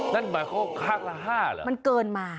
นั่นหมายความคาดละ๕หรอมันเกินมา